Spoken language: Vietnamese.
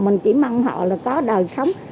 mình chỉ mong họ là có đời sống